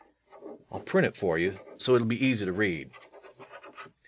_] I'll print it for you, so it'll be easy to read.